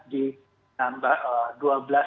di nama daerah daerah